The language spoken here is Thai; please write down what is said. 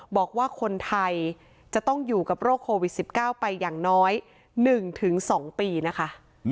บอกว่าคนไทยจะต้องอยู่กับโรคโควิด๑๙ไปอย่างน้อย๑๒ปีนะคะ